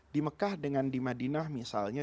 di mekah dengan di madinah misalnya